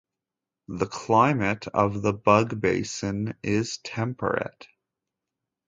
The climate of the Bug basin is temperate.